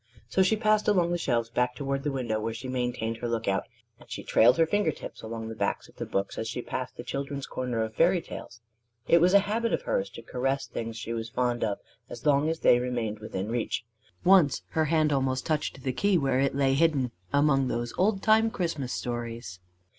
So she passed along the shelves back toward the window, where she maintained her lookout; and she trailed her finger tips along the backs of the books as she passed the children's corner of fairy tales: it was a habit of hers to caress things she was fond of as long as they remained within reach. Once her hand almost touched the key where it lay hidden among those old time Christmas stories.